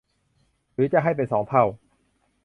หรือจะให้เป็นสองเท่า